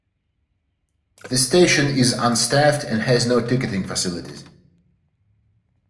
The station is unstaffed and has no ticketing facilities.